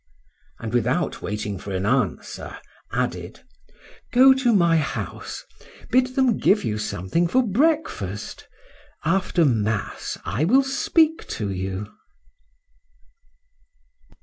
and without waiting for an answer, added "Go to my house, bid them give you something for breakfast, after mass, I will speak to you."